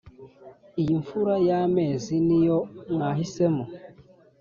iyi mfura y’amezi ni yo mwahisemo